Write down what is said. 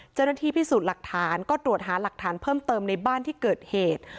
เจ้าหน้าที่พิสูจน์หลักฐานก็ตรวจหาหลักฐานเพิ่มเติมในบ้านที่เกิดเหตุ